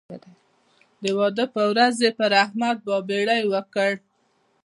د واده پر ورځ یې پر احمد بابېړۍ وکړ.